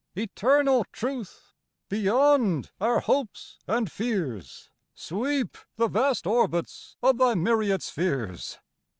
Eternal Truth! beyond our hopes and fears Sweep the vast orbits of thy myriad spheres!